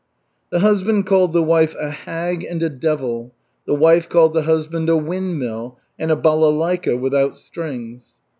The husband called the wife a "hag" and a "devil"; the wife called the husband a "windmill" and a "balalaika without strings."